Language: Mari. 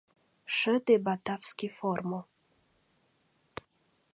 — Шыде батавский формо!